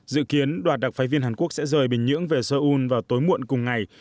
dự kiến đoàn đặc phái viên hàn quốc sẽ rời bình nhưỡng về seoul vào tối muộn cùng ngày